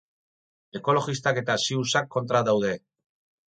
Ekologistak eta siouxak kontra daude.